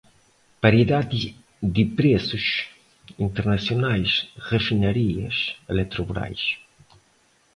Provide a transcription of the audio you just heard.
Paridade de preços internacionais, refinarias, Eletrobrás